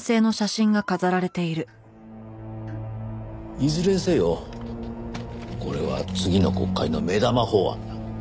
いずれにせよこれは次の国会の目玉法案だ。